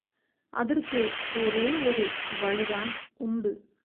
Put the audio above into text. அதற்கு ஒரே ஒரு வழிதான் உண்டு.